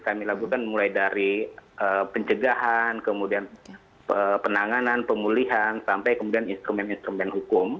kami lakukan mulai dari pencegahan kemudian penanganan pemulihan sampai kemudian instrumen instrumen hukum